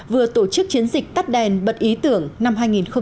vừa tổ chức chiến dịch tắt đèn bật ý tưởng năm hai nghìn một mươi chín